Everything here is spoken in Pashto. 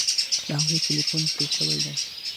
د هغوی ټیلیفون پرې شوی دی